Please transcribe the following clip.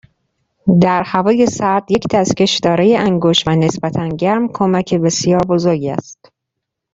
در هوای سرد یک دستکش دارای انگشت و نسبتا گرم، کمک بسیار بزرگی است.